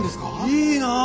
いいなあ。